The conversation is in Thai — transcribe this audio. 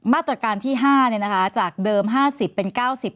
มาตรการที่๕จากเดิม๕๐เป็น๙๐